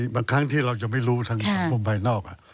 บางครั้งที่เรายังไม่รู้ทางสังคมภายนอก